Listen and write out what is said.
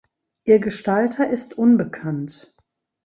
Ihr Gestalter ist unbekannt.